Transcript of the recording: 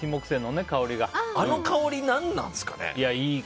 あの香りなんなんですかね？